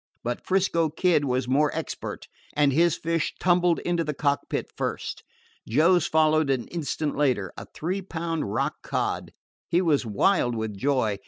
But 'Frisco Kid was more expert, and his fish tumbled into the cockpit first. Joe's followed an instant later a three pound rock cod. He was wild with joy.